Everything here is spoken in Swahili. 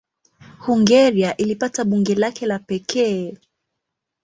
Hungaria ilipata bunge lake la pekee.